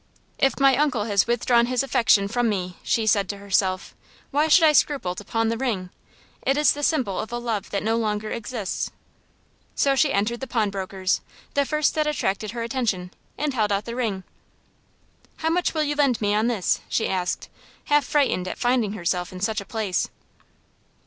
"If my uncle has withdrawn his affection from me," she said to herself, "why should I scruple to pawn the ring? It is the symbol of a love that no longer exists." So she entered the pawnbrowker's the first that attracted her attention and held out the ring. "How much will you lend me on this?" she asked, half frightened at finding herself in such a place.